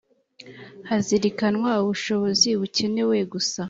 hazirikanwa ubushobozi bukenewe gusa